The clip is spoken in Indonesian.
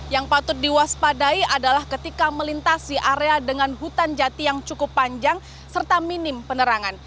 yang patut diwaspadai adalah ketika melintasi area dengan hutan jati yang cukup panjang serta minim penerangan